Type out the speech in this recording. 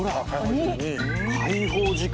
２⁉解放時間。